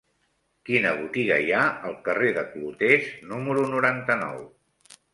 Quina botiga hi ha al carrer de Clotés número noranta-nou?